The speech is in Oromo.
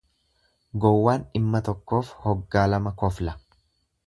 Gowwaan dhimma tokkoof hoggaa lama kofla.